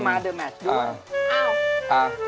มาเถอะแมน